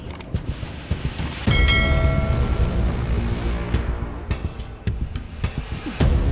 kan lo tau tadi mobil itu bermasalah